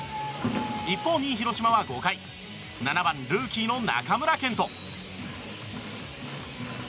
一方、２位広島は５回７番、ルーキーの中村健人。